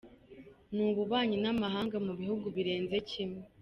Ni ububanyi n’amahanga mu bihugu birenze kimwe.